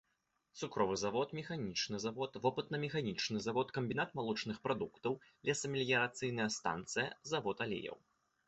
Цукровы завод, механічны завод, вопытна-механічны завод, камбінат малочных прадуктаў, лесамеліярацыйная станцыя, завод алеяў.